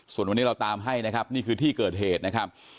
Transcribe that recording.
ส่วนวันนี้เราตามให้นะครับนี่คือที่เกิดเหตุนะครับ